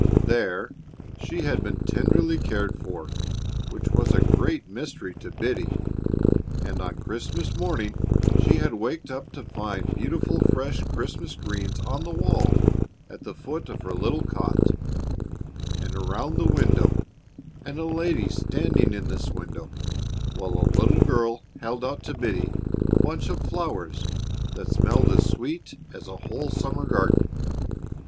There she had been tenderly cared for, which was a great mystery to Biddy, and on Christmas morning she had waked up to find beautiful fresh Christmas greens on the wall at the foot of her little cot and around the window, and a lady standing in this window, while a little girl held out to Biddy a bunch of flowers that smelled as sweet as a whole summer garden.